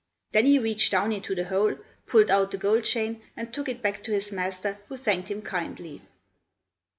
Then he reached down into the hole, pulled out the gold chain, and took it back to his master, who thanked him kindly.